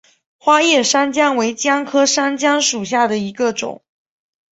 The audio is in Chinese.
花叶山姜为姜科山姜属下的一个种。